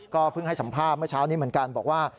เพิ่งให้สัมภาษณ์เมื่อเช้านี้เหมือนกันบอกว่า